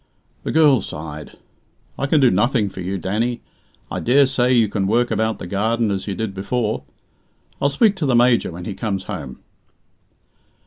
The girl sighed. "I can do nothing for you, Danny. I dare say you can work about the garden as you did before. I'll speak to the Major when he comes home."